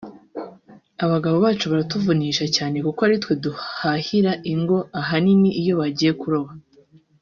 “Abagabo bacu baratuvunisha cyane kuko ari twe duhahira ingo ahanini iyo bagiye kuroba